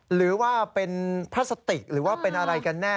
หรือว่าเป็นพลาสติกหรือว่าเป็นอะไรกันแน่